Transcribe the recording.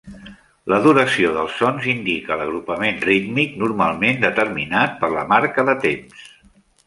La duració dels sons indica l'agrupament rítmic, normalment determinat per la marca de temps.